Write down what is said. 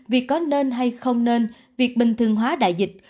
vì có nên hay không nên việc bình thường hóa đại dịch